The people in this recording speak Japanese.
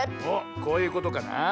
おっこういうことかな。